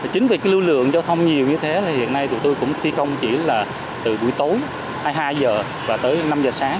chính vì cái lưu lượng giao thông nhiều như thế là hiện nay tụi tôi cũng thi công chỉ là từ buổi tối hai mươi hai h và tới năm h sáng